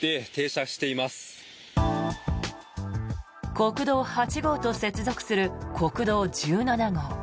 国道８号と接続する国道１７号。